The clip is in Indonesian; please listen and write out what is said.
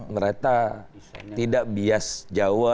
mereka tidak bias jawa